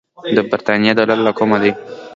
د برتانیې دولت له کومه دی.